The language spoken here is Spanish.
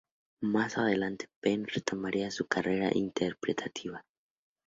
Más adelante Penn retomaría su carrera interpretativa.